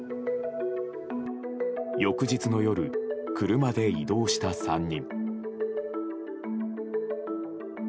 翌日の夜、車で移動した３人。